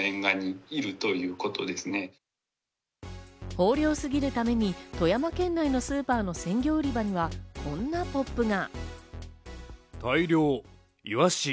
豊漁すぎるために富山県内のスーパーの鮮魚売り場にはこんなポップが。